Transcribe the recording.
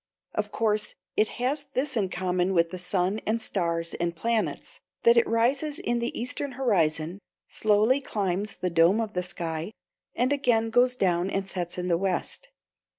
Of course, it has this in common with the sun and stars and planets, that it rises in the eastern horizon, slowly climbs the dome of the sky, and again goes down and sets in the west.